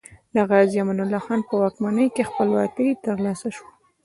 د غازي امان الله خان په واکمنۍ کې خپلواکي تر لاسه شوه.